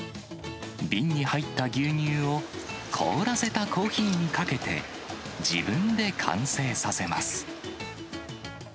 瓶に入った牛乳を、凍らせたコーヒーにかけて、自分で完成させます。